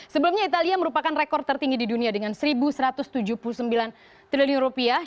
sebelumnya italia merupakan rekor tertinggi di dunia dengan seribu satu ratus tujuh puluh sembilan triliun rupiah